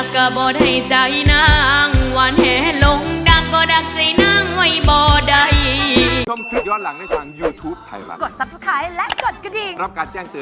ก็จะร้องได้ให้ล้าง